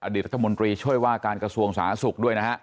อดีตรัฐมนตรีเช่าให้ว่าการกัสวงสหสุขด้วยนะฮะ